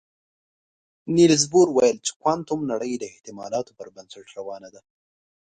نيلز بور ویل چې کوانتم نړۍ د احتمالاتو پر بنسټ روانه ده.